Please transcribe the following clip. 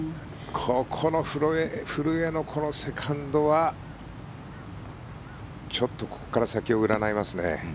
ここの古江のこのセカンドはちょっとここから先を占いますね。